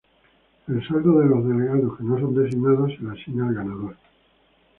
El saldo de los delegados que no son designados se le asigna al ganador.